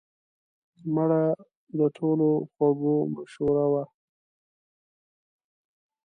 مړه د ټولو خوږه مشوره وه